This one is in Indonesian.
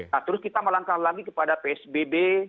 nah terus kita melangkah lagi kepada psbb